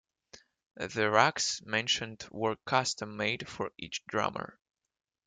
The racks mentioned were custom made for each drummer.